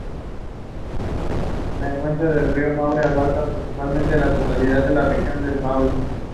La cuenca del río Maule abarca prácticamente la totalidad de la Región del Maule.